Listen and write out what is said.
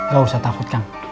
gak usah takut kang